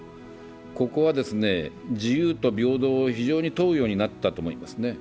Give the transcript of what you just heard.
ここは自由と平等を非常に問うようになったと思います。